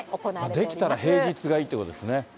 できたら平日がいいってことですね。